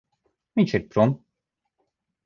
Viņš ir prom.